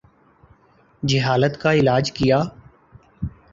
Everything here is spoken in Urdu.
جہالت کا علاج کیا؟